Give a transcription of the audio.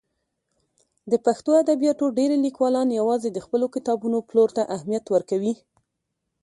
د پښتو ادبیاتو ډېری لیکوالان یوازې د خپلو کتابونو پلور ته اهمیت ورکوي.